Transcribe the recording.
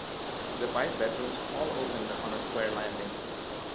The five bedrooms all opened on a square landing.